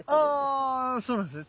あそうなんですね。